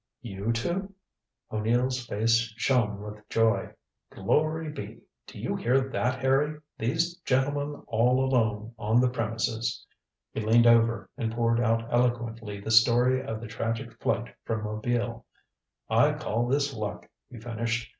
"You two?" O'Neill's face shone with joy. "Glory be do you hear that, Harry? These gentlemen all alone on the premises." He leaned over, and poured out eloquently the story of the tragic flight from Mobile. "I call this luck," he finished.